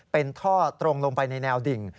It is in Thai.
เป็นท่อตรงลงไปในแนวดิ่ง